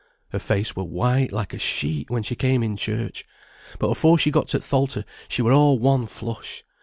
Her face were white like a sheet when she came in church, but afore she got to th' altar she were all one flush.